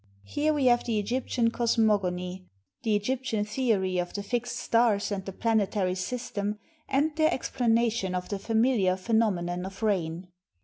Here we have the Egyptian cos mogony, the Egyptian theory of the fixed stars and the planetary system, and their explanation of the familiar phenomenon of rain.